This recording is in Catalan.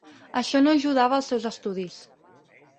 Això no ajudava als seus estudis.